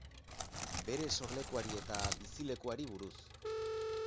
Bere sorlekuari eta bizilekuari buruz.